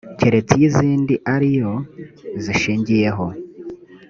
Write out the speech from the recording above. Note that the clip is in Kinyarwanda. keretse iyo izindi ari yo zishingiyeho